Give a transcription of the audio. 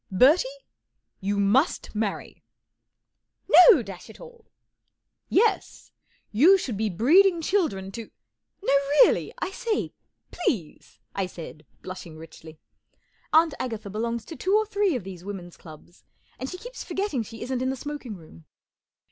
44 Bertie, you must marry !" 44 No, dash it all !" 44 Yes ! You should be breeding children to " 44 No, really, I say, please !" I said, blushing richly. Aunt Agatha belongs to two or three of these women's clubs, and she keeps forgetting she isn't in the smoking room.